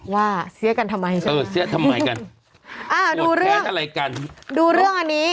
ว่าเสียกันทำไมใช่ไหม